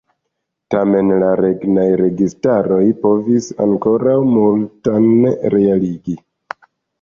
Tamen la regnaj registaroj povis ankoraŭ multan realigi.